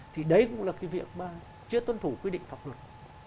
thì đấy cũng là cái việc mà chưa tuân thủ quy định pháp luật